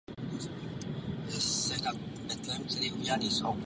Zvěst měla za následek soupis šperků koruny.